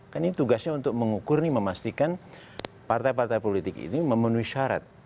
kan ini tugasnya untuk mengukur nih memastikan partai partai politik ini memenuhi syarat